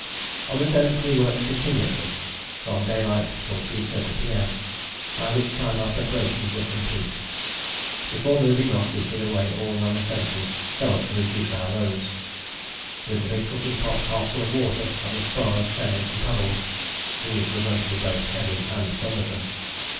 On the 10th we worked continuously from daylight till 3.30 P.M., by which time our preparations were complete. Before moving off we hid away all non essentials, so as to reduce our loads. With the big cooking pot half full of water, and the spars, sails, and paddles, these were going to be both heavy and cumbersome.